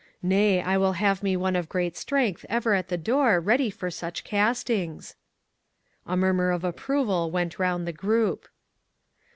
Nay, I will have me one of great strength ever at the door ready for such castings." A murmur of approval went round the group.